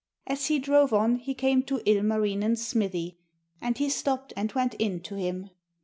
As he drove on he came to Ilmarinen's smithy, and he stopped and went in to him.